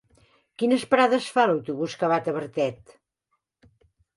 Quines parades fa l'autobús que va a Tavertet?